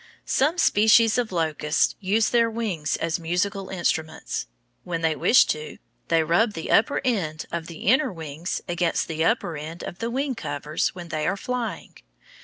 Some species of locusts use their wings as musical instruments. When they wish to, they rub the upper end of the inner wings against the upper end of the wing covers when they are flying.